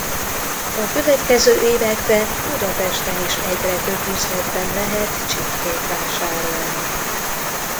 A következő években Budapesten is egyre több üzletben lehet csipkét vásárolni.